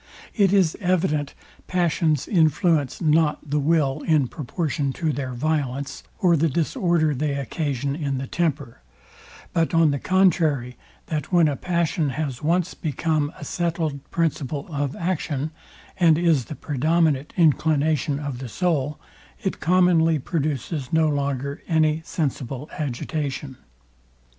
It is evident passions influence not the will in proportion to their violence, or the disorder they occasion in the temper; but on the contrary, that when a passion has once become a settled principle of action, and is the predominant inclination of the soul, it commonly produces no longer any sensible agitation.